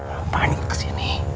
apaan ini kesini